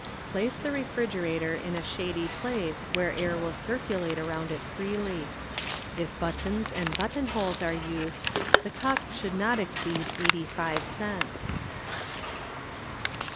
Place the refrigerator in a shady_ place where air will circulate around it freely. If buttons and buttonholes are used, the cost should not exceed eighty five cents.